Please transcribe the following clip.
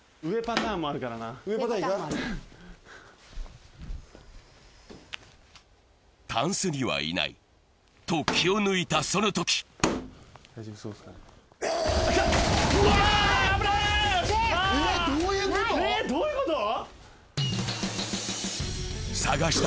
タンスにはいない、と気を抜いたそのとき来た！